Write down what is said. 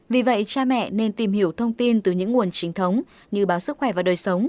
vì vậy cha mẹ nên tìm hiểu thông tin từ những nguồn chính thống như báo sức khỏe và đời sống